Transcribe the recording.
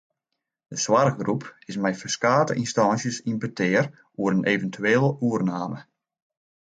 De soarchgroep is mei ferskate ynstânsjes yn petear oer in eventuele oername.